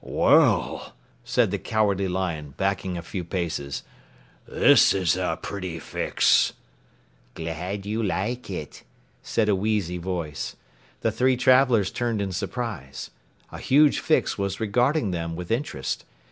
"Well," said the Cowardly Lion, backing a few paces, "this is a pretty fix." "Glad you like it," said a wheezy voice. The three travelers turned in surprise. A huge Fix was regarding them with interest.